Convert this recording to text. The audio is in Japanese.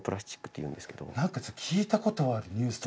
何か聞いたことあるニュースとかで。